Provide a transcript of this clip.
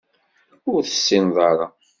Ur tessineḍ ara.